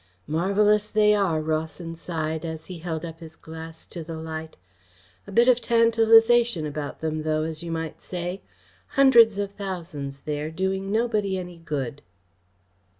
"Marvellous they are," Rawson sighed, as he held up his glass to the light. "A bit of tantalisation about them, though, as you might say. Hundreds of thousands there, doing nobody any good."